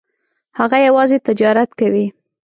هغه یوازې تجارت کوي.